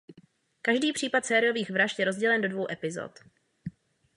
Každý případ sériových vražd je rozdělen do dvou epizod.